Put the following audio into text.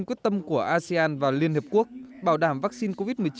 phó thủ tướng quyết tâm của asean và liên hợp quốc bảo đảm vaccine covid một mươi chín